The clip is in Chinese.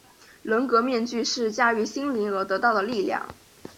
人格面具是驾驭心灵而得到的力量。